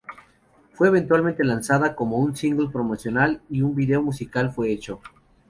Fue eventualmente lanzada como un single promocional, y un video musical fue hecho.